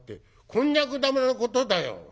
「こんにゃく玉のことだよ」。